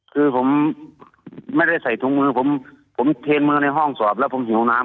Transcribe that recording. คือผมไม่ได้ใส่ถุงมือผมผมเทนมือในห้องสอบแล้วผมหิวน้ำ